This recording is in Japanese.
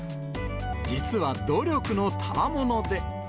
実は努力のたまもので。